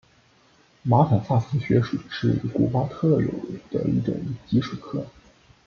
马坦萨斯穴鼠是古巴特有的一种棘鼠科。